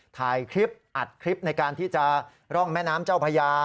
ถ่ายคลิปอัดคลิปในการที่จะร่องแม่น้ำเจ้าพญา